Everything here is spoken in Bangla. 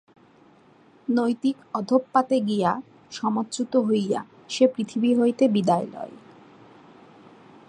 নৈতিক অধঃপাতে গিয়া, সমাজচ্যুত হইয়া সে পৃথিবী হইতে বিদায় লয়।